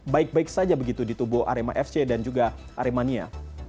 baik baik saja begitu di tubuh arema fc dan juga aremania